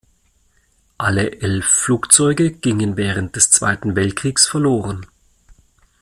Alle elf Flugzeuge gingen während des Zweiten Weltkriegs verloren.